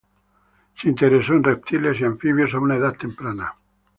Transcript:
Se interesó en reptiles y anfibios a una edad temprana.